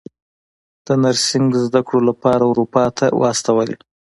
د نرسنګ زده کړو لپاره اروپا ته واستولې.